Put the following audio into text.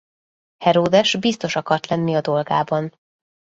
Heródes biztos akart lenni a dolgában.